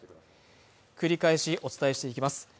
繰り返しお伝えしていきます。